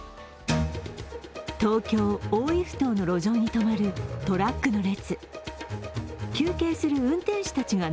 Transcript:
東京・大井ふ頭の路上に止まるトラックの列。